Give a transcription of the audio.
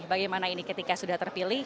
bagaimana ini ketika sudah terpilih